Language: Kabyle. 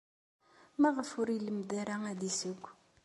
Maɣef ur ilemmed ara ad yesseww?